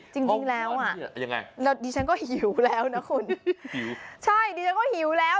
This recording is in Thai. จริงแล้วอ่ะยังไงแล้วดิฉันก็หิวแล้วนะคุณหิวใช่ดิฉันก็หิวแล้ว